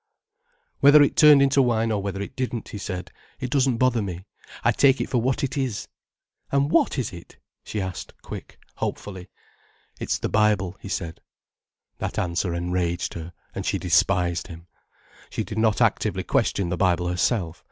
"Whether it turned into wine or whether it didn't," he said, "it doesn't bother me. I take it for what it is." "And what is it?" she asked, quickly, hopefully. "It's the Bible," he said. That answer enraged her, and she despised him. She did not actively question the Bible herself.